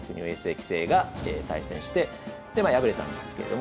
棋聖が対戦してでまあ敗れたんですけれども。